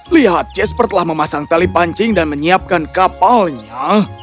lihat jasper telah memasang tali pancing dan menyiapkan kapalnya